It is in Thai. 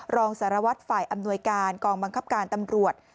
รองสารวัตรฝ่ายอำนวยการกองบังคับการตำรวจ